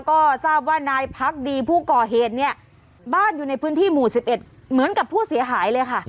ก็ทราบว่านายพักดีผู้ก่อเหตุเนี่ยบ้านอยู่ในพื้นที่หมู่๑๑เหมือนกับผู้เสียหายเลยค่ะ